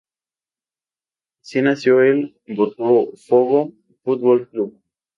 Así nació el Botafogo Football Club.